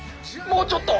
もうちょっと！